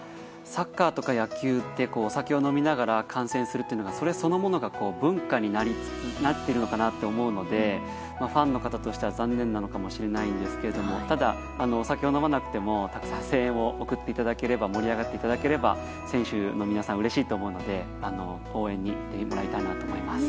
サッカーとか野球ってお酒を飲みながら観戦するそれそのものが文化になっているのかなと思うのでファンの方としては残念なのかもしれないですがただ、お酒を飲まなくてもたくさん声援を送っていただければ盛り上がっていただければ選手の皆さんはうれしいと思うので応援に行ってもらいたいなと思います。